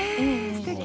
すてき！